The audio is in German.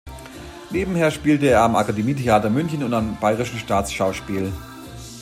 Nebenher spielte er am Akademietheater München und am Bayerischen Staatsschauspiel.